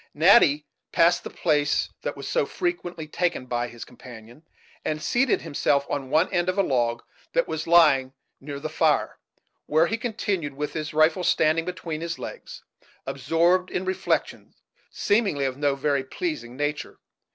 Natty passed the place that was so freely taken by his red companion, and seated himself on one end of a log that was lying near the fire, where he continued, with his rifle standing between his legs, absorbed in reflections seemingly of no very pleasing nature.